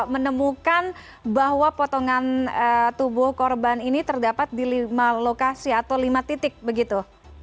menemukan bahwa potongan tubuh korban ini terdapat di lima lokasi atau lima titik begitu